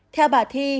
theo bà thi